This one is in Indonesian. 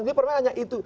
ini permainannya itu